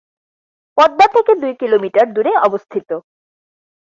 পদ্মা থেকে দুই কিলোমিটার দূরে অবস্থিত।